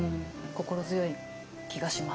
心強い気がします。